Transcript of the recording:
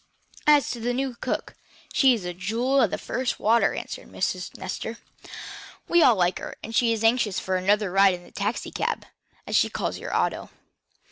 "As to the new cook, she is a jewel of the first water," answered Miss Nestor. "We all like her, and she is anxious for another ride in a taxicab, as she calls your auto."